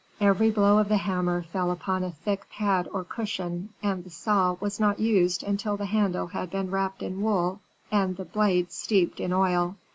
Every blow of the hammer fell upon a thick pad or cushion, and the saw was not used until the handle had been wrapped in wool, and the blade steeped in oil.